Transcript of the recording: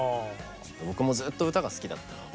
僕もずっと歌が好きだったので。